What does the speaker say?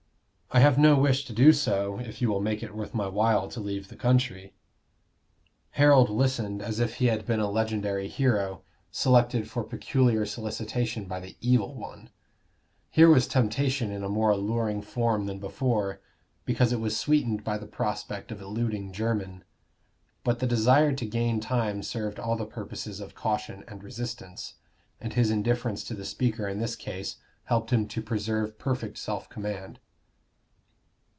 I have no wish to do so, if you will make it worth my while to leave the country." Harold listened as if he had been a legendary hero, selected for peculiar solicitation by the Evil One. Here was temptation in a more alluring form than before, because it was sweetened by the prospect of eluding Jermyn. But the desire to gain time served all the purposes of caution and resistance, and his indifference to the speaker in this case helped him to preserve perfect self command.